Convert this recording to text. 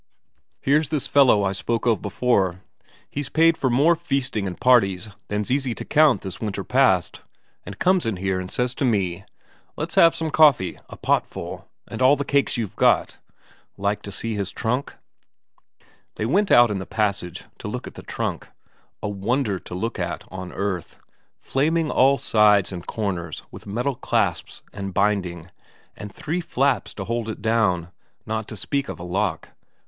Here's this fellow I spoke of before; he's paid for more feasting and parties than's easy to count this winter past, and comes in here and says to me, 'Let's have some coffee, a potful, and all the cakes you've got.' Like to see his trunk?" They went out in the passage to look at the trunk. A wonder to look at on earth, flaming all sides and corners with metal and clasps and binding, and three flaps to hold it down, not to speak of a lock.